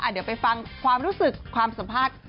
เดี๋ยวไปฟังความรู้สึกความสัมภาษณ์